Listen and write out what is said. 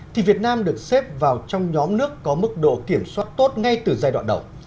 thì việt nam được xếp vào trong nhóm nước có mức độ kiểm soát tốt ngay từ giai đoạn đầu